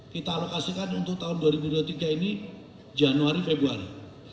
kita alokasikan untuk tahun dua ribu dua puluh tiga ini januari februari